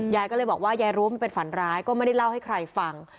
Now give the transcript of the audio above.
ยายก็เลยบอกว่ายายรู้ว่ามันเป็นฝันร้ายก็ไม่ได้เล่าให้ใครฟัง